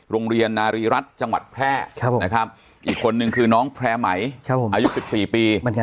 โรงเรียนนารีรัฐจังหวัดแพร่นะครับอีกคนนึงคือน้องแพร่ไหมอายุ๑๔ปี